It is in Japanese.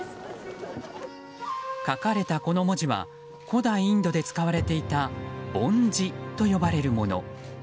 書かれたこの文字は古代インドで使われていた梵字と呼ばれるもの。